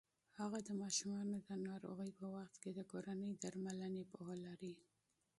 هغه د ماشومانو د ناروغۍ په وخت کې د کورني درملنې پوهه لري.